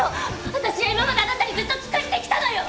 私は今まであなたにずっと尽くしてきたのよ！